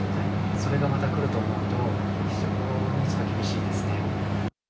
それがまた来ると思うと、非常に厳しいですね。